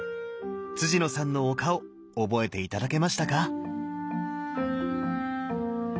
野さんのお顔覚えて頂けましたか？